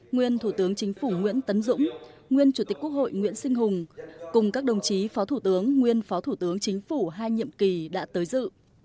nguyên thủ tướng chính phủ nguyễn tấn dũng nguyên chủ tịch quốc hội nguyễn sinh hùng cùng các đồng chí phó thủ tướng nguyên phó thủ tướng chính phủ hai nhiệm kỳ đã tới dự